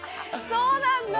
そうなんだ。